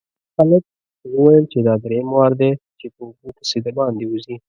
هلک وويل چې دا دريم وار دی چې په اوبو پسې د باندې وځي.